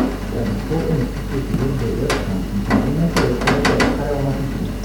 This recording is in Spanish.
Trabajó en sitios web de Webcam y finalmente dejó de trabajar a una oficina.